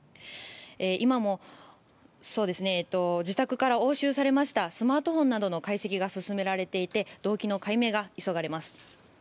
今も自宅から押収されましたスマートフォンなどの解析が進められていて動機の解明が急がれます。